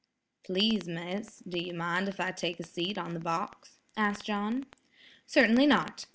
"Please, miss, do you mind if I take a seat on the box?" asked John. "Certainly not."